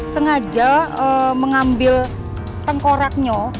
sengaja mengambil tengkoraknya